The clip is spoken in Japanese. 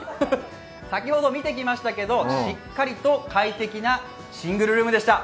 先ほど見てきましたけどしっかりと快適なシングルルームでした。